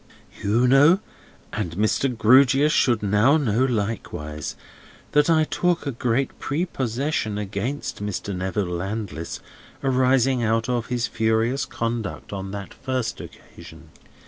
"You know—and Mr. Grewgious should now know likewise—that I took a great prepossession against Mr. Neville Landless, arising out of his furious conduct on that first occasion.